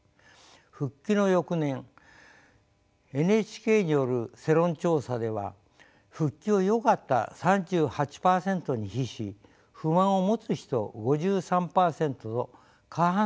復帰の翌年ＮＨＫによる世論調査では「復帰をよかった」３８％に比し「不満を持つ人」５３％と過半数を超えました。